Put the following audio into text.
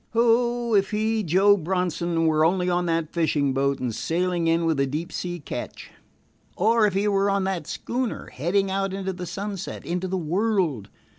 Oh, if he, Joe Bronson, were only on that fishing boat and sailing in with a deep sea catch! Or if he were on that schooner, heading out into the sunset, into the world!